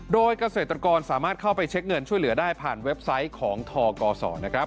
โดยเกษตรกรสามารถเข้าไปเช็คเงินช่วยเหลือได้ผ่านเว็บไซต์ของทกศนะครับ